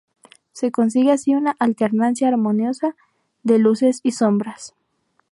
Se consigue así una alternancia armoniosa de luces y sombras.